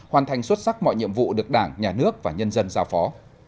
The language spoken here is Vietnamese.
hoàn thành xuất sắc mọi nhiệm vụ được đảng nhà nước và nhân dân giao phó